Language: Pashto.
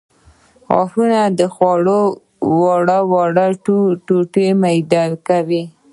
غاښونه خواړه په وړو وړو ټوټو میده کوي.